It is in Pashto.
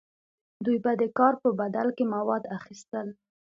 دوی به د کار په بدل کې مواد اخیستل.